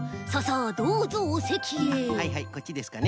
あっはいはいこっちですかね。